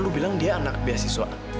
lu bilang dia anak beasiswa